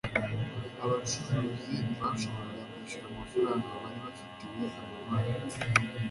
abacuruzi ntibashoboraga kwishyura amafaranga bari bafitiwe amabanki